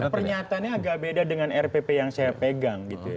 pernyataannya agak beda dengan rpp yang saya pegang gitu ya